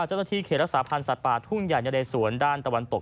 เจ้าหน้าที่เขตรักษาพันธ์สัตว์ป่าทุ่งใหญ่นะเรสวนด้านตะวันตก